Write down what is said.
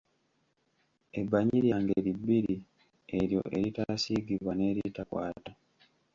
Ebbanyi lya ngeri bbiri eryo eritasiigibwa n’eritakwata.